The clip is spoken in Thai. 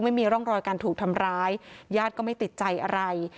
ไม่มีร่องรอยการถูกทำร้ายญาติก็ไม่ติดใจอะไร